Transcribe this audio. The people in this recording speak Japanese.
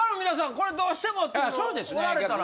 これどうしても！っていうのおられたら。